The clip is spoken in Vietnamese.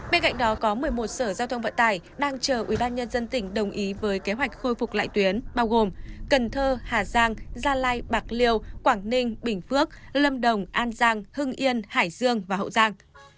bên cạnh đó có một mươi một sở giao thông vận tải đang chờ ubnd tỉnh đồng ý với kế hoạch khôi phục lại tuyến bao gồm cần thơ hà giang gia lai bạc liêu quảng ninh bình phước lâm đồng an giang hưng yên hải dương và hậu giang